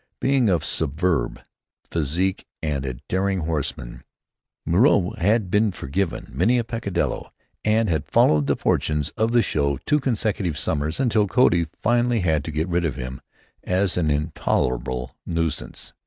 Being of superb physique and a daring horseman, Moreau had been forgiven many a peccadillo, and had followed the fortunes of the show two consecutive summers until Cody finally had to get rid of him as an intolerable nuisance.